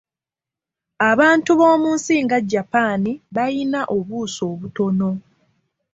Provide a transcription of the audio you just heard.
Abantu b'omu nsi nga Japan bayina obuuso obutono.